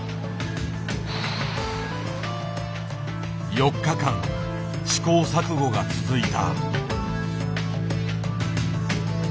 ４日間試行錯誤が続いた。